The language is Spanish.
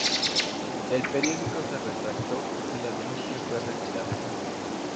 El periódico se retractó y la denuncia fue retirada.